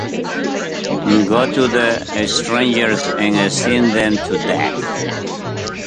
Go to the strangers and sting them to death!